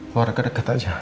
buat dekat dekat aja